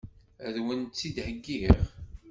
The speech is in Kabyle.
Ad wen-tt-id-heggiɣ?